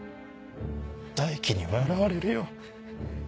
大輝に笑われるよ。